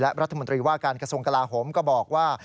และรัฐมนตรีว่าการกระทรวงกลาโหมก็บอกว่า